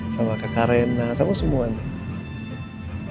sama kakak rena sama semua nih